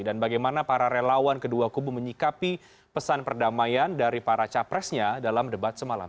dan bagaimana para relawan kedua kubu menyikapi pesan perdamaian dari para capresnya dalam debat semalam